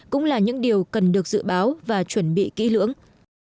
cũng là những điều cần được dự báo và chuẩn bị kỹ lưỡng